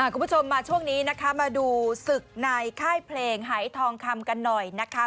คุณผู้ชมมาช่วงนี้นะคะมาดูศึกในค่ายเพลงหายทองคำกันหน่อยนะคะ